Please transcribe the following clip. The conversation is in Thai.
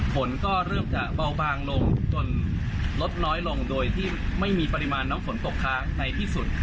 ฝนก็เริ่มจะเบาบางลงจนลดน้อยลงโดยที่ไม่มีปริมาณน้ำฝนตกค้างในที่สุด